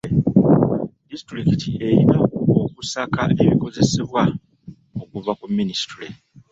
Disitulikiti erina okusaka ebikozesebwa okuva ku minisitule.